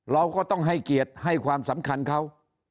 เราก็ต้องให้เกียรติให้ความสำคัญเขา